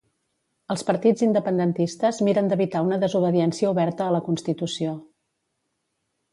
Els partits independentistes miren d'evitar una desobediència oberta a la constitució.